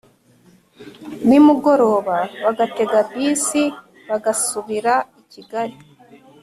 nimugoroba bagatega bisi bagasubira i Kigali